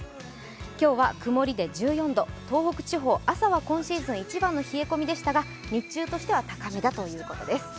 今日は曇りで１４度、東北地方、朝は今シーズン一番の冷えでしたが、日中としては高めだということです。